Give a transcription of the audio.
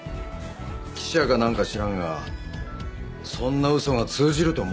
記者かなんか知らんがそんな嘘が通じると思うのか？